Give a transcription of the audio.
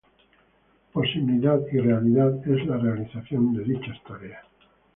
Posibilidad y realidad es la realización de dicha tarea.